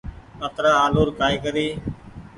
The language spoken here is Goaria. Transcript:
اترآ آلو ر ڪآئي ڪري ۔